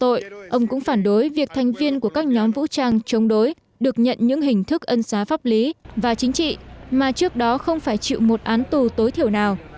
tội ông cũng phản đối việc thành viên của các nhóm vũ trang chống đối được nhận những hình thức ân xá pháp lý và chính trị mà trước đó không phải chịu một án tù tối thiểu nào